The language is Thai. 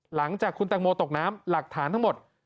หลังจากคุณตังโมตกน้ำหลักฐานทั้งหมด